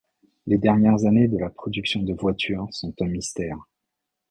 Les dernières années de la production de voitures sont un mystère.